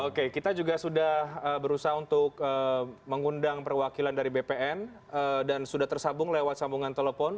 oke kita juga sudah berusaha untuk mengundang perwakilan dari bpn dan sudah tersambung lewat sambungan telepon